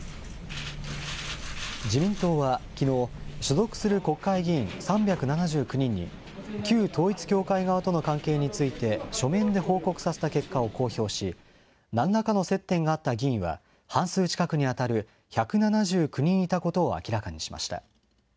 自民党はきのう、所属する国会議員３７９人に、旧統一教会側との関係について書面で報告させた結果を公表し、なんらかの接点があった議員は半数近くに当たる１７９人いたことを明らかにしました。